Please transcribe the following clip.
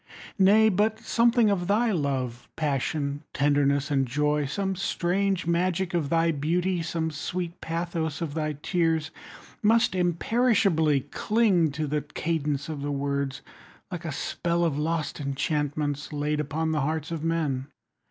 20 Nay, but something of thy love, Passion, tenderness, and joy, Some strange magic of thy beauty, Some sweet pathos of thy tears, Must imperishably cling 25 To the cadence of the words, Like a spell of lost enchantments Laid upon the hearts of men.